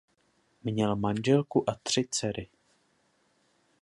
Měl manželku a tři dcery.